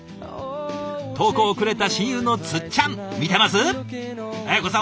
投稿をくれた親友のつっちゃん見てます？